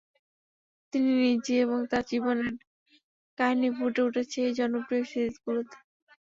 তিনি নিজেই এবং তার জীবনের কাহিনী ফুটে উঠেছে এই জনপ্রিয় সিরিজগুলোতে।